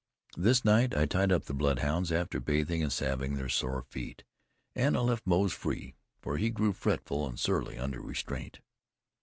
This night I tied up the bloodhounds, after bathing and salving their sore feet; and I left Moze free, for he grew fretful and surly under restraint.